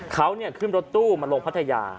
เขาขึ้นรถตู้มาลงพัทยา